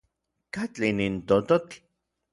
¿Katli nin tototl?